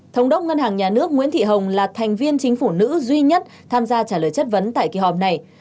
thống đốc ngân hàng nhà nước nguyễn thị hồng là thành viên chính phủ nữ duy nhất tham gia trả lời chất vấn tại kỳ họp này